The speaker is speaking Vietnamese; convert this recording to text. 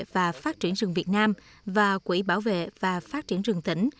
và phát triển rừng việt nam và quỹ bảo vệ và phát triển rừng tỉnh